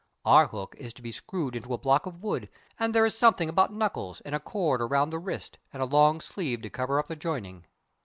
Our hook is to be screwed into a block of wood, and there is something about knuckles and a cord around the wrist and a long sleeve to cover up the joining.